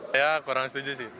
saya kurang setuju sih